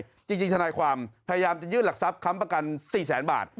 จังหวัดเชียงใหม่จริงธนาความพยายามจะยื่นหลักทรัพย์ค้ำประกัน๔๐๐๐๐๐บาท